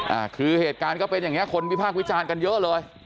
อ่าคือเหตุการณ์ก็เป็นอย่างเงี้คนวิพากษ์วิจารณ์กันเยอะเลย